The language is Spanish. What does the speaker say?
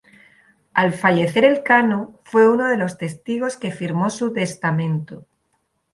Al fallecer Elcano, fue uno de los testigos que firmó su testamento.